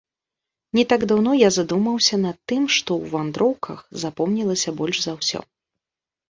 Не так даўно я задумаўся над тым, што ў вандроўках запомнілася больш за ўсё.